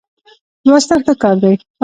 لوستل ښه کار دی.